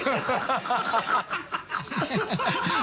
ハハハ